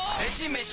メシ！